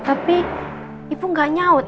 tapi ibu gak nyaut